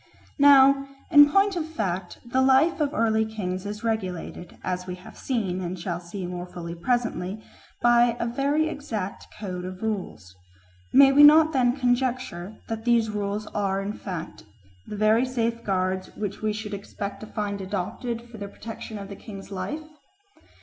Now in point of fact the life of the early kings is regulated, as we have seen and shall see more fully presently, by a very exact code of rules. May we not then conjecture that these rules are in fact the very safeguards which we should expect to find adopted for the protection of the king's life?